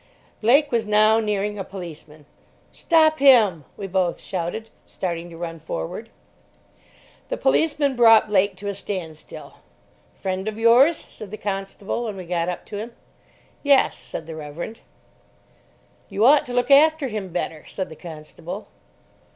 Blake was now nearing a policeman. "Stop him!" we both shouted, starting to run forward. The policeman brought Blake to a standstill. "Friend of yours?" said the constable when we got up to him. "Yes," said the Reverend. "You ought to look after him better," said the constable.